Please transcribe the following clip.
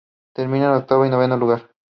Terminaron en octavo y noveno lugares.